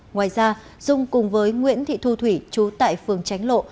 ngoài ra dung cùng với nguyễn thị thu thủy chú tại phường tránh lộ